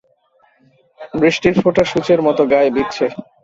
বৃষ্টির ফোঁটা সূচের মতো গায়োবিধছে।